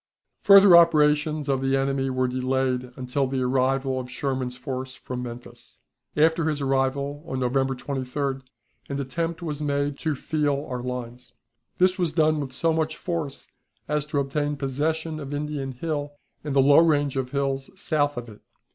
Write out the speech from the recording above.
Further operations of the enemy were delayed until the arrival of Sherman's force from Memphis. After his arrival, on November 23d, an attempt was made to feel our lines. This was done with so much force as to obtain possession of Indian Hill and the low range of hills south of it.